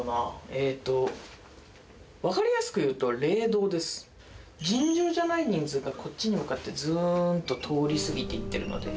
えっとわかりやすく言うと尋常じゃない人数がこっちに向かってずんと通りすぎていってるので。